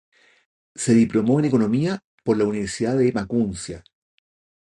Se diplomó en Economía por la Universidad de Maguncia.